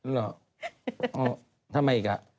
หรอทำไมอีก